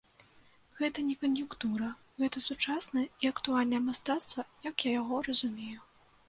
Гэта не кан'юнктура, гэта сучаснае і актуальнае мастацтва, як я яго разумею.